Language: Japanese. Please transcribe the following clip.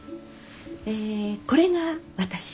えこれが私。